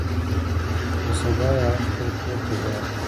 پر سبا يې هغه خپل کور ته ولاړ.